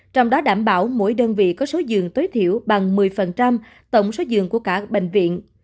trong đó đảm bảo mỗi đơn vị có số giường tối thiểu bằng một mươi tổng số giường của cả bệnh viện